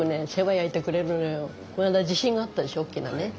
この間地震があったでしょおっきなね。